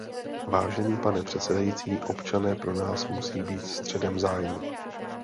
Vážený pane předsedající, občané pro nás musí být středem zájmu.